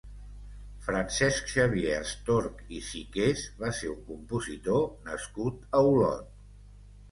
Francesc Xavier Estorch i Siqués va ser un compositor nascut a Olot.